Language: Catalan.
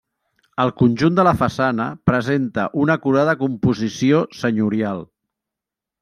El conjunt de la façana presenta una acurada composició senyorial.